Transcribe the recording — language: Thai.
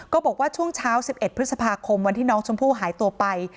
บอกว่าช่วงเช้า๑๑พฤษภาคมวันที่น้องชมพู่หายตัวไป